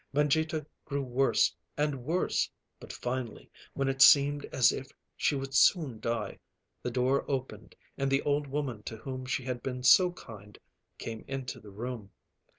Mangita grew worse and worse, but finally, when it seemed as if she would soon die, the door opened and the old woman to whom she had been so kind came into the room.